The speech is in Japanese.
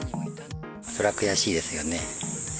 そりゃ、悔しいですよね。